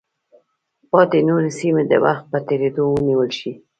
پاتې نورې سیمې د وخت په تېرېدو ونیول شوې.